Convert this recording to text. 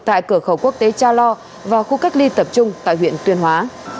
tại cửa khẩu quốc tế cha lo và khu cách ly tập trung tại huyện tuyên hóa